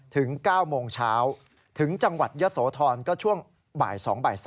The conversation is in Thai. ถึง๙โมงเช้าถึงจังหวัดยศทรก็ช่วงบ่าย๒๓